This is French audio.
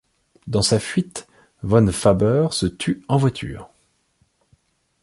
Dans sa fuite, Von Faber se tue en voiture.